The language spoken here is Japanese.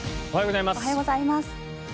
おはようございます。